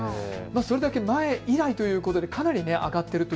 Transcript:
それだけ前以来ということでかなり上がっている。